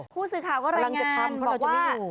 ผู้สื่อข่าวรายงานบอกว่า